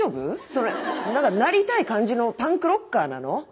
それなんかなりたい感じのパンクロッカーなの？